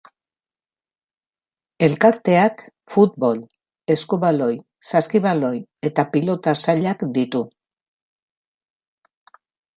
Elkarteak futbol, eskubaloi, saskibaloi eta pilota sailak ditu.